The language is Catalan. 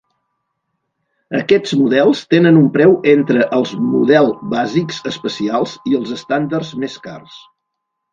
Aquests models tenen un preu entre els model bàsics especials i els estàndards més cars.